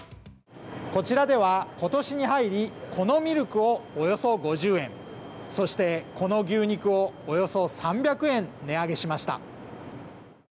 こちらでは今年に入りこのミルクをおよそ５０円、そしてこの牛肉をおよそ３００円値上げしました。